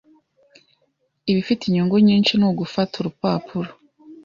Ibifite inyungu nyinshi ni ugufata urupapuro